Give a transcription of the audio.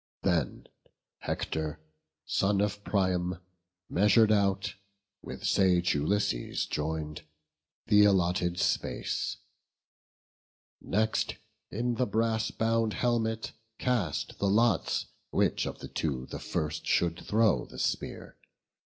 Then Hector, son of Priam, measur'd out, With sage Ulysses join'd, th' allotted space; Next, in the brass bound helmet cast the lots, Which of the two the first should throw the spear.